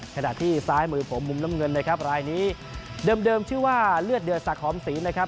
ขณะที่ซ้ายมือผมมุมน้ำเงินนะครับรายนี้เดิมชื่อว่าเลือดเดือดสักหอมศรีนะครับ